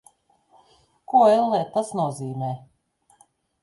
Ko, ellē, tas nozīmē?